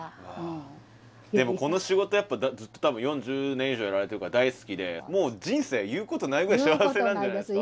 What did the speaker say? でもこの仕事ずっと多分４０年以上やられてるから大好きでもう人生言うことないぐらい幸せなんじゃないですか。